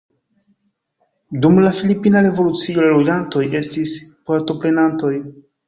Dum la filipina revolucio la loĝantoj estis partoprenantoj.